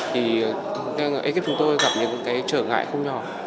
thì ekpt chúng tôi gặp những trở ngại không nhỏ